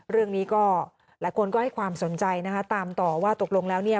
เรื่องนี้ก็หลายคนก็ให้ความสนใจนะคะตามต่อว่าตกลงแล้วเนี่ย